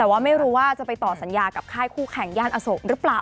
แต่ว่าไม่รู้ว่าจะไปต่อสัญญากับค่ายคู่แข่งย่านอโศกหรือเปล่า